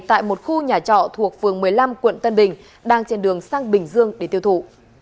tại một khu nhà trọ thuộc phường một mươi năm quận tân bình đang trên đường sang bình dương để tiêu thụ